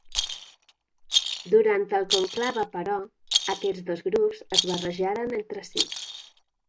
Durant el conclave, però, aquests dos grups es barrejaren entre si.